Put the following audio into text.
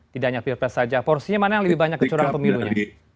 tidak hanya pirpes saja porsinya mana yang lebih banyak kecurangan pemilunya